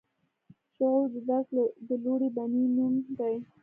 شعور د درک د لوړې بڼې نوم دی.